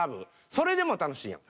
それでも楽しいやん。